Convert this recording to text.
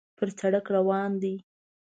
پر سړک روان دی.